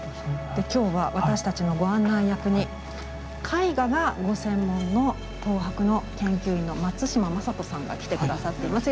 今日は私たちのご案内役に絵画がご専門の東博の研究員の松嶋雅人さんが来て下さっています。